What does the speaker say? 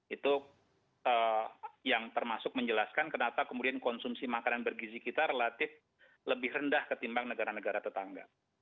itu yang termasuk menjelaskan kenapa kemudian konsumsi makanan bergizi kita relatif lebih rendah ketimbang negara negara tetangga